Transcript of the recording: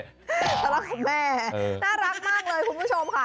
ทะเลาะกับแม่น่ารักมากเลยคุณผู้ชมค่ะ